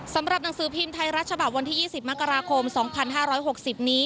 สำหรับหนังสือพิมพ์ไทยรัฐฉบับวันที่๒๐มกราคม๒๕๖๐นี้